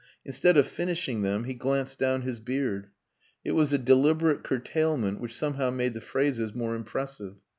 Instead of finishing them he glanced down his beard. It was a deliberate curtailment which somehow made the phrases more impressive.